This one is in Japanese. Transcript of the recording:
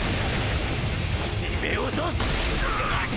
締め落とす！